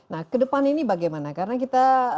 nah kedepan ini bagaimana karena kita